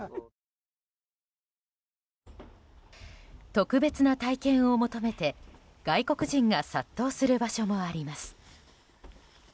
特別な体験を求めて外国人が殺到する場所もあります。